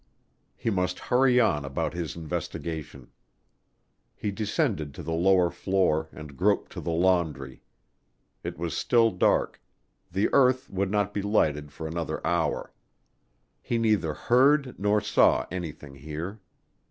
He must hurry on about his investigation. He descended to the lower floor and groped to the laundry. It was still dark; the earth would not be lighted for another hour. He neither heard nor saw anything here.